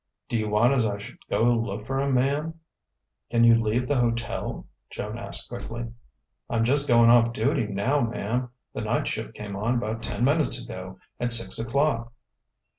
"Do you want as I should go look for him, ma'am?" "Can you leave the hotel?" Joan asked quickly. "I'm just going off duty now, ma'm; the night shift came on about ten minutes ago, at six o'clock."